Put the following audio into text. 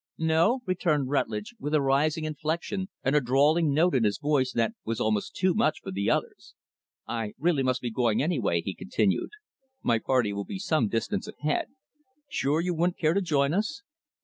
"No?" returned Rutlidge, with a rising inflection and a drawling note in his voice that was almost too much for the others. "I really must be going, anyway," he continued. "My party will be some distance ahead. Sure you wouldn't care to join us?"